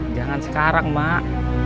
jangan sekarang mak